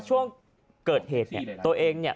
ช่วงเกิดเหตุเนี่ยตัวเองเนี่ย